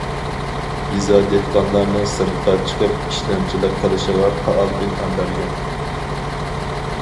يېزا دېھقانلارنىڭ سىرتقا چىقىپ ئىشلەمچىلىك قىلىشىغا پائال ئىلھام بەرگەن.